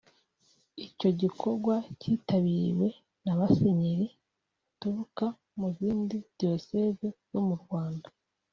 Icyo gikorwa cyitabiriwe n’abasenyeri baturuka mu zindi Diyoseze zo mu Rwanda